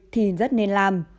thì rất nên làm